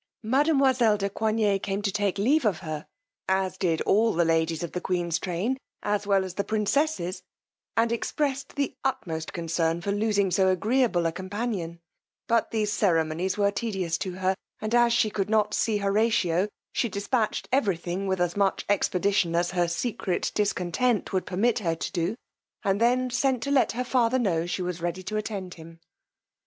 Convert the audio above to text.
Mademoiselle de Coigney came to take leave of her, as did all the ladies of the queen's train as well as the princess's, and expressed the utmost concern for losing so agreeable a companion; but these ceremonies were tedious to her, and as she could not see Horatio, she dispatched every thing with as much expedition as her secret discontent would permit her to do, and then sent to let her father know she was ready to attend him.